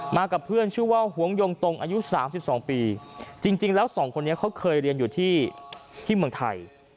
มากับเพื่อนชื่อว่าหวงยงตงอายุสามสิบสองปีจริงจริงแล้วสองคนนี้เขาเคยเรียนอยู่ที่ที่เมืองไทย